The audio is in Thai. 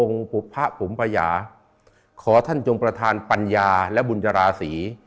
องค์พระผุมประหยาขอท่านจงประธานปัญญาและบุญราศรี